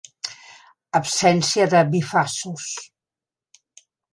Absència de bifaços.